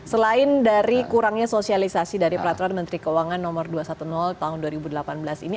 selain dari kurangnya sosialisasi dari peraturan menteri keuangan nomor dua ratus sepuluh tahun dua ribu delapan belas ini